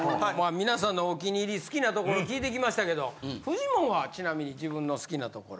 皆さんのお気に入り好きなところ聞いてきましたけどフジモンはちなみに自分の好きなところ。